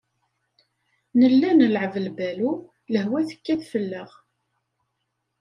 Nella nleɛɛeb lbalu, lehwa tekkat fell-aɣ.